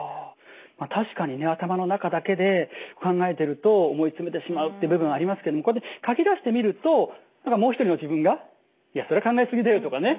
確かにね頭の中だけで考えてると思い詰めてしまうって部分ありますけどこうやって書き出してみると何かもう一人の自分が「いやそりゃ考え過ぎだよ」とかね